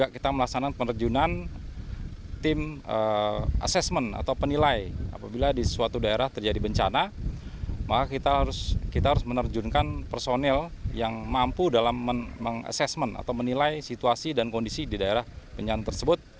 kita harus menerjunkan personel yang mampu dalam menilai situasi dan kondisi di daerah bencana tersebut